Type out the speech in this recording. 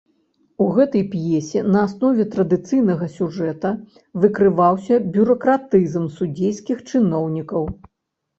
У гэтай п'есе на аснове традыцыйнага сюжэта выкрываўся бюракратызм судзейскіх чыноўнікаў.